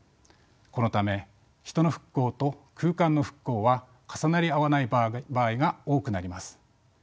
このため人の復興と空間の復興は重なり合わない場合が多くなります。